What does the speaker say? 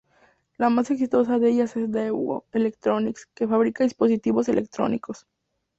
La más exitosa de ellas es Daewoo Electronics, que fabrica dispositivos electrónicos.